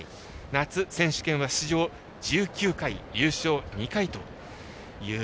夏、選手権は出場１９回優勝２回という。